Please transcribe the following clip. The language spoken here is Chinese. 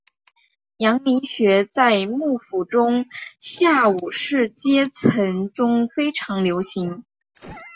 阳明学在幕府中下武士阶层中非常流行。